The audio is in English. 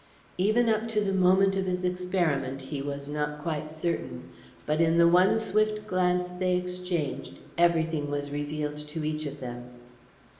Even up to the moment of his experiment he was not quite certain. But in the one swift glance they exchanged, everything was revealed to each of them.